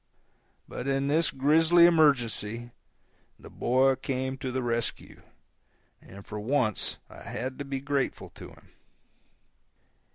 But in this grisly emergency, the boy came to the rescue, and for once I had to be grateful to him.